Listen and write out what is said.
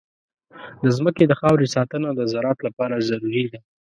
د ځمکې د خاورې ساتنه د زراعت لپاره ضروري ده.